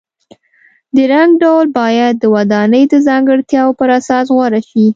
د رنګ ډول باید د ودانۍ د ځانګړتیاو پر اساس غوره شي.